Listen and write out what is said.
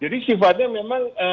jadi sifatnya memang